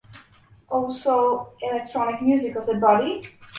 Also ""Electronic music of the body?